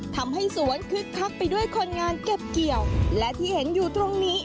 ทำให้สวนคึกคักไปด้วยคนงานเก็บเกี่ยวและที่เห็นอยู่ตรงนี้